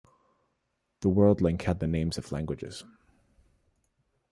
The World link had the names of languages.